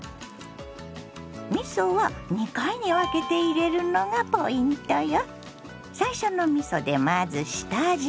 みそは２回に分けて入れるのがポイントよ。